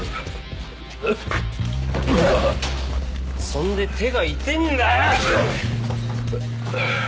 そんで手が痛えんだよ！